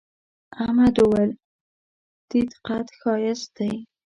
احمد وويل: تيت قد ښایست دی.